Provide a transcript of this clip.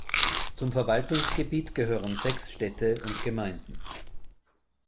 Zum Verwaltungsgebiet gehören sechs Städte und Gemeinden.